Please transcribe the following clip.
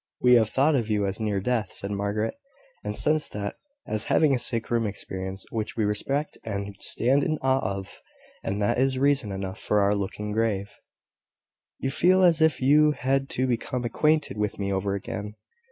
"We have thought of you as near death," said Margaret; "and since that, as having a sick room experience, which we respect and stand in awe of; and that is reason enough for our looking grave." "You feel as if you had to become acquainted with me over again.